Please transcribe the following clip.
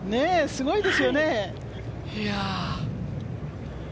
すごいですよね。